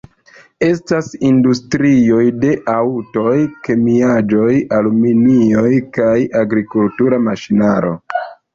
Estas industrioj de aŭtoj, kemiaĵoj, aluminio kaj agrikultura maŝinaro.